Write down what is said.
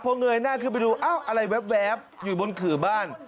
พอเงยหน้าขึ้นไปดูอ้าวอะไรแว๊บอยู่บนขื่อบ้าน